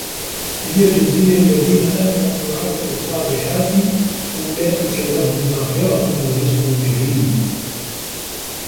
لِيَجزِيَ الَّذينَ آمَنوا وَعَمِلُوا الصّالِحاتِ أُولئِكَ لَهُم مَغفِرَةٌ وَرِزقٌ كَريمٌ